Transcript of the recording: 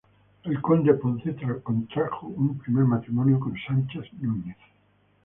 El conde Ponce contrajo un primer matrimonio con Sancha Núñez.